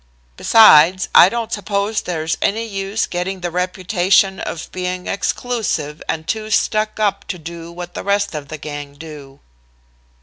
Besides, I don't suppose there's any use getting the reputation of being exclusive and too stuck up to do what the rest of the gang do.'